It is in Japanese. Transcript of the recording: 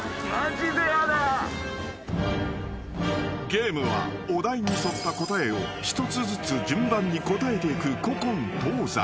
［ゲームはお題に沿った答えを一つずつ順番に答えていく古今東西］